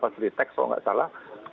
sritex kalau tidak salah